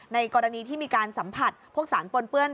กรณีที่มีการสัมผัสพวกสารปนเปื้อน